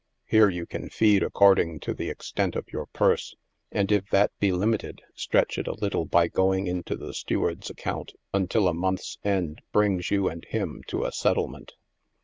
Here you can feed according to the extent of your parse, and if that be limited, stretch it a little by going into the steward's account until a month's end brings you and him to a settlement.